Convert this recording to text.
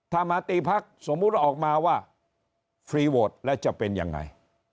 ถ้ามาตีพักสมมุติว่าออกมาว่าฟรีโวทแล้วจะเป็นยังไง